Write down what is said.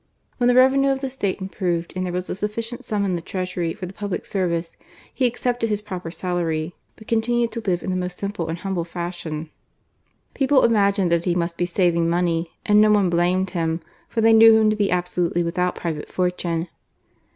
When the revenue of the State improved and there was a sufficient sum in the Treasury for the public service, he accepted his proper salary, but con tinaed to live in the most simple and hamble JasbioQ. People imagined that he most be saving money, and no one blamed him> for they knew him' to be absolutely withoat private forttme.